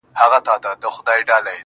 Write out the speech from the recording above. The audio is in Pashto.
هغه په ژړا ستغ دی چي يې هيڅ نه ژړل.